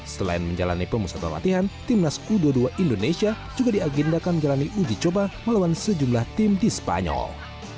selain menjalani pemusatan latihan timnas u dua puluh dua indonesia juga diagendakan menjalani uji coba melawan sejumlah tim di spanyol